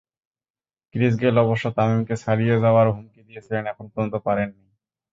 Chris Gayle অবশ্য তামিমকে ছাড়িয়ে যাওয়ার হুমকি দিয়েছিলেন, এখন পর্যন্ত পারেননি।